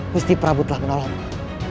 musti prap telah menolongku